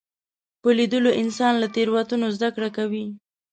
په لیدلو انسان له تېروتنو زده کړه کوي